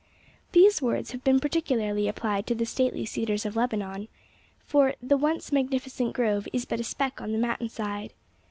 These words have been particularly applied to the stately cedars of Lebanon, for 'the once magnificent grove is but a speck on the mountain side.